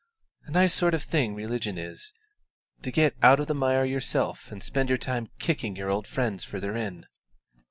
"A nice sort of thing religion is, to get out of the mire yourself and spend your time kicking your old friends further in!"